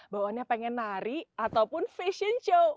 bawaannya pengen nari ataupun fashion show